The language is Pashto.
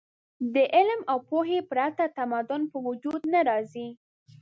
د علم او پوهې پرته تمدن په وجود نه راځي.